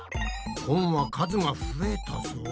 本は数が増えたぞ。